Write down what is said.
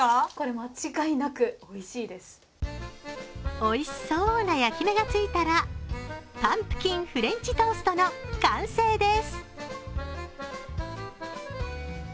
おいしそうな焼き目がついたらパンプキンフレンチトーストの完成です。